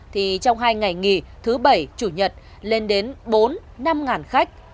thì trong hai ngày nghỉ thứ bảy chủ nhật lên đến bốn năm khách